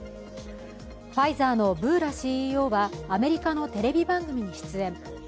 ファイザーのブーラＣＥＯはアメリカのテレビ番組に出演。